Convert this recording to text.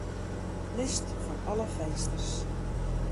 List fan alle finsters.